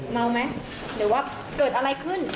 เมาไหมหรือว่าเกิดอะไรขึ้น